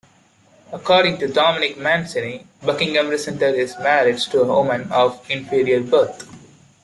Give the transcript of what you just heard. According to Dominic Mancini, Buckingham resented his marriage to a woman of inferior birth.